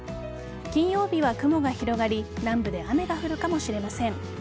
金曜日は雲が広がり南部で雨が降るかもしれません。